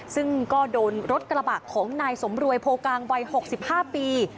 ซึ่งก็โดนรถกระบะของนายสมรวยโพกลางวัย๖๕ปี